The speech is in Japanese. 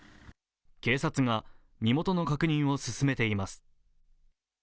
警察が身元の確認を進めています。